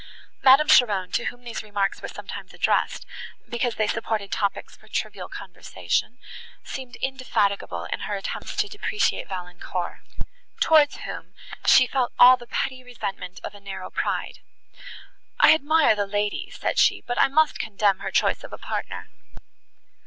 Madame Cheron, to whom these remarks were sometimes addressed, because they supported topics for trivial conversation, seemed indefatigable in her attempts to depreciate Valancourt, towards whom she felt all the petty resentment of a narrow pride. "I admire the lady," said she, "but I must condemn her choice of a partner."